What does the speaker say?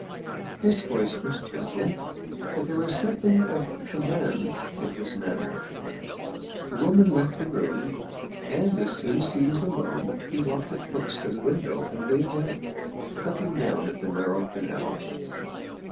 His voice was gentle, but there was something of com mand in his manner. The woman left the room, and as soon as he was alone he walked at once to the window and leaned out, looking down at the narrow canal.